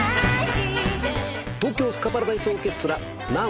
東京スカパラダイスオーケストラ